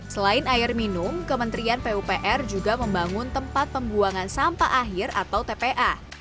selain air minum kementerian pupr juga membangun tempat pembuangan sampah akhir atau tpa